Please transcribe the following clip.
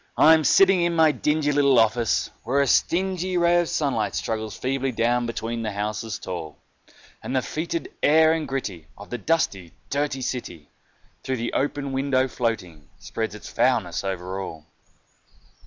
I am sitting in my dingy little office, where a stingy Ray of sunlight struggles feebly down between the houses tall, And the foetid air and gritty of the dusty, dirty city, Through the open window floating, spreads its foulness over all.